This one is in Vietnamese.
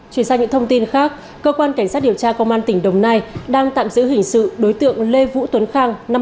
chuyển sang những thông tin khác cơ quan cảnh sát điều tra công an tỉnh đồng nai đang tạm giữ hình sự đối tượng lê vũ tuấn khang